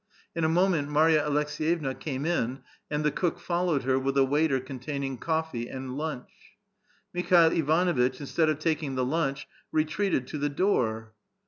In a moment Marya Aleks^yevna came in, and the cook followed her with a waiter containing coffee and lunch. Mikhail Ivanuitch, instead of taking the lunch, retreated to the door.